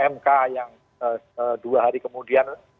mk yang dua hari kemudian